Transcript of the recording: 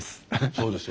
そうです。